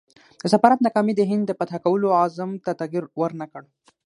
د سفارت ناکامي د هند د فتح کولو عزم ته تغییر ورنه کړ.